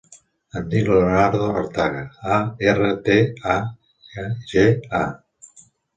Em dic Leonardo Arteaga: a, erra, te, e, a, ge, a.